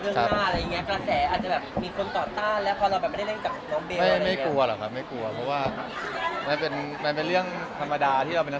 แสวได้ไงของเราก็เชียนนักอยู่ค่ะเป็นผู้ร่วมงานที่ดีมาก